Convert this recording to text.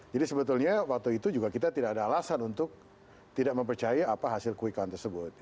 jadi sebetulnya waktu itu juga kita tidak ada alasan untuk tidak mempercaya apa hasil quick count tersebut